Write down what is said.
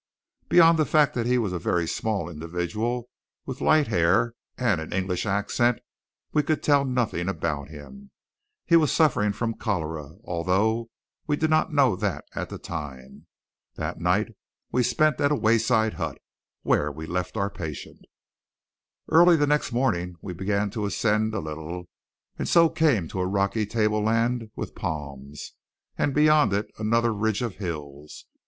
Beyond the fact that he was a very small individual with light hair and an English accent, we could tell nothing about him. He was suffering from cholera, although we did not know that at the time. That night we spent at a wayside hut, where we left our patient. Early the next morning we began to ascend a little; and so came to a rocky tableland with palms, and beyond it another ridge of hills.